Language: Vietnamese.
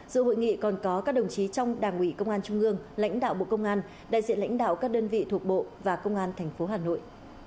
dự hội nghị còn có các đồng chí trong đảng ủy công an trung ương lãnh đạo bộ công an đại diện lãnh đạo các đơn vị thuộc bộ và công an tp hà nội